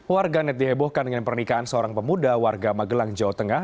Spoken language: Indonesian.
warganet dihebohkan dengan pernikahan seorang pemuda warga magelang jawa tengah